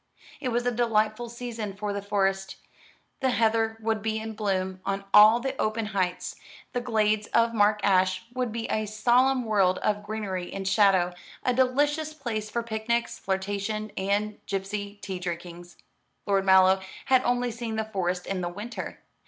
It was a delightful season for the Forest. The heather would be in bloom on all the open heights, the glades of Mark Ash would be a solemn world of greenery and shadow, a delicious place for picnics, flirtation, and gipsy tea drinkings. Lord Mallow had only seen the Forest in the winter.